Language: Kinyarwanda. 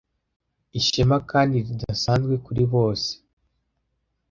ishema kandi ridasanzwe kuri bose